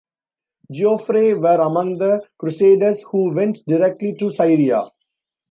Geoffrey were among the crusaders who went directly to Syria.